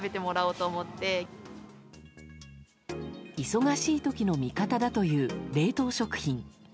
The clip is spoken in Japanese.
忙しい時の味方だという冷凍食品。